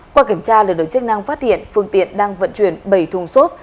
qua kiểm tra lực lượng chức năng phát hiện phương tiện đang vận chuyển bảy thùng xốp